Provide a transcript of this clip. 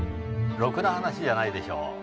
ろくな話じゃないでしょう。